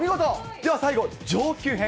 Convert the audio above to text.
では最後、上級編。